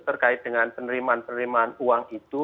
terkait dengan penerimaan penerimaan uang itu